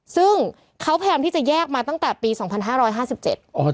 ซึ่งเขาพยายามที่จะแยกมาตั้งแต่ปีต้อง๒๕๕๗